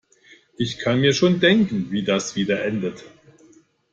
Ich kann mir schon denken, wie das wieder endet.